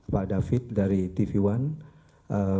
pak david dari tv one